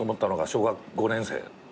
小学５年生！？